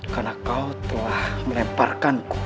karena kau telah menemparkanku